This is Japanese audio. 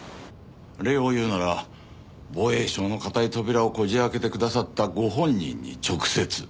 礼を言うなら防衛省の堅い扉をこじ開けてくださったご本人に直接。